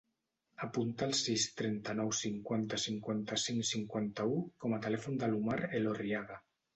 Apunta el sis, trenta-nou, cinquanta, cinquanta-cinc, cinquanta-u com a telèfon de l'Omar Elorriaga.